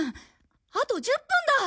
あと１０分だ！